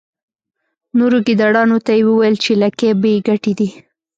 نورو ګیدړانو ته یې وویل چې لکۍ بې ګټې دي.